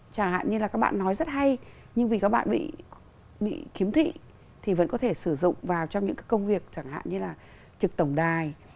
chẳng hạn như là các bạn nói rất hay nhưng vì các bạn bị kiếm thị thì vẫn có thể sử dụng vào trong những công việc chẳng hạn như là trực tổng đài